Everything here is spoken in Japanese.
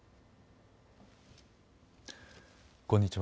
こんにちは。